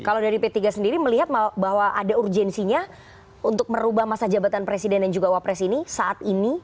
kalau dari p tiga sendiri melihat bahwa ada urgensinya untuk merubah masa jabatan presiden dan juga wapres ini saat ini